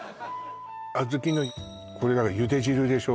小豆のこれだからゆで汁でしょ？